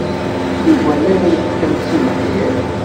Yuba la irekkem seg lḥir.